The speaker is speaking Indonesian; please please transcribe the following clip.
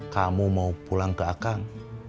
kamu mau pulang ke akar